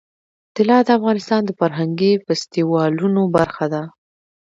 طلا د افغانستان د فرهنګي فستیوالونو برخه ده.